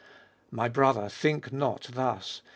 My brother, think not thus.